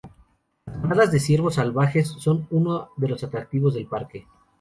Las manadas de ciervos salvajes son uno de los atractivos del parque.